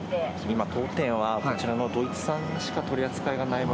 今当店はこちらのドイツ産しか取り扱いがないもので。